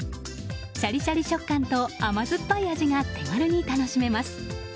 シャリシャリ食感と甘酸っぱい味が手軽に楽しめます。